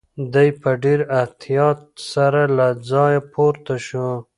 دی په ډېر احتیاط سره له ځایه پورته شو.